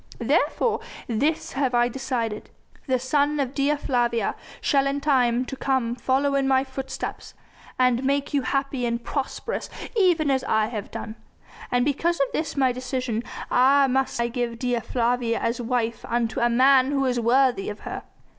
Therefore this have I decided. The son of Dea Flavia shall in time to come follow in my footsteps, and make you happy and prosperous even as I have done; and because of this my decision must I give Dea Flavia as wife unto a man who is worthy of her.